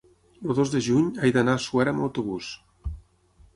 El dos de juny he d'anar a Suera amb autobús.